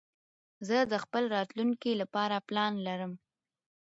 زه د خپل راتلونکي لپاره پلان لرم.